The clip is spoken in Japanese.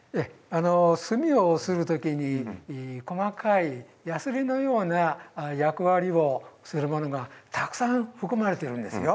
墨をする時に細かいやすりのような役割をするものがたくさん含まれているんです。